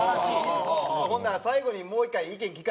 ほんなら最後にもう一回意見聞かせてよ